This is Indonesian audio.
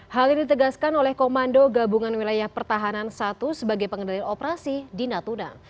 hal ini ditegaskan oleh komando gabungan wilayah pertahanan i sebagai pengendalian operasi di natuna